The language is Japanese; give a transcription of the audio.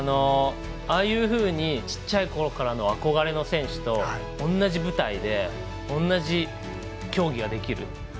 ああいうふうにちっちゃいころからの憧れの選手と同じ舞台で同じ競技ができる。